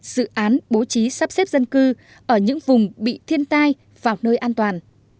dự án bố trí sắp xếp dân cư ở những vùng bị thiên tai vào nơi an toàn